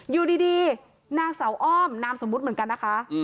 อยู่ดีนางสาวอ้อมนามสมมุติเหมือนกันนะคะ